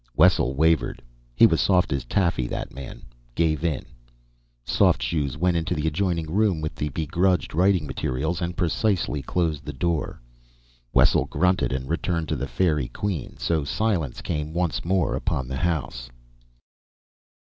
Wessel wavered he was soft as taffy, that man gave in. Soft Shoes went into the adjoining room with the begrudged writing materials and precisely closed the door. Wessel grunted and returned to "The Faerie Queene"; so silence came once more upon the house.